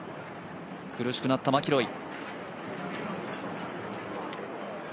苦しくなったマキロイ。